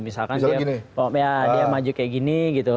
misalkan dia maju kayak gini gitu